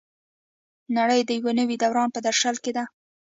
نړۍ د یو نوي دوران په درشل کې ده.